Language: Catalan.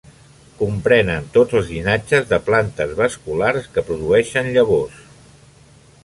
Comprenen tots els llinatges de plantes vasculars que produeixen llavors.